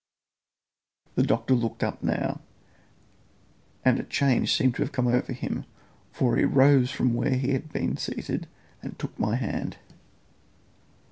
The doctor looked up now, and a change seemed to have come over him, for he rose from where he had been seated and took my hand.